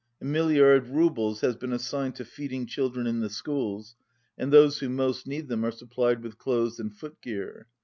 A milliard roubles has been assigned to feeding children in the schools, and those who most need them are supplied with clothes and footgear.